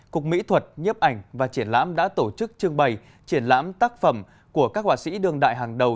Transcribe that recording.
cục mỹ thuật nhấp ảnh và triển lãm đã tổ chức trương bày triển lãm tác phẩm của các họa sĩ đường đại hàng đầu